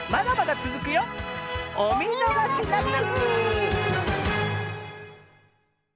おみのがしなく！